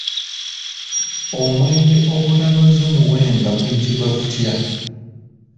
Omwenge ogutanoze muwemba guyitibwa gutya?